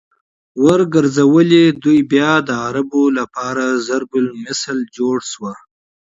ورګرځولې!! دوی بيا د عربو لپاره ضرب المثل جوړ شو